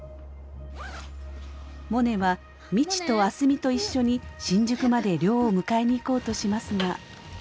モネは未知と明日美と一緒に新宿まで亮を迎えに行こうとしますが。